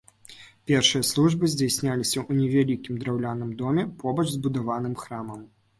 Першыя службы здзяйсняліся ў невялікім драўлянай доме побач з будаваным храмам.